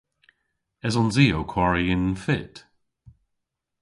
Esons i ow kwari y'n fytt?